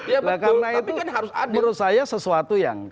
ya betul tapi kan harus adil menurut saya sesuatu yang